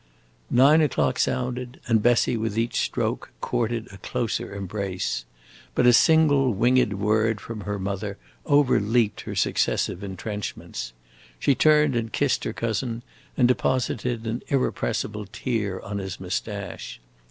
Nine o'clock sounded, and Bessie, with each stroke, courted a closer embrace. But a single winged word from her mother overleaped her successive intrenchments. She turned and kissed her cousin, and deposited an irrepressible tear on his moustache.